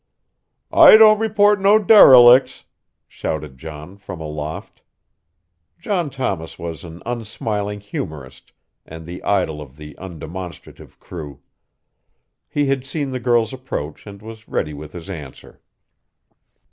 "I don't report no derelicts!" shouted John from aloft. John Thomas was an unsmiling humorist and the idol of the undemonstrative crew. He had seen the girl's approach and was ready with his answer.